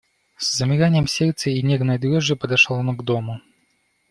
С замиранием сердца и нервной дрожью подошел он к дому.